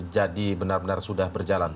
jadi benar benar sudah berjalan